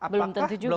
belum tentu juga ya